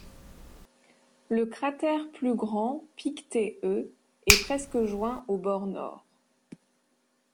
Le cratère plus grand Pictet E est presque joint au bord Nord.